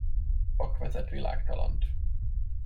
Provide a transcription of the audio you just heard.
Vak vezet világtalant.